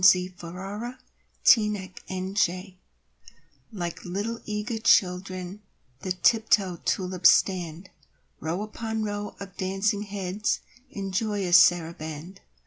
XXXVIII The Dance Like little, eager children The tiptoe tulips stand, Row upon row of dancing heads In joyous saraband.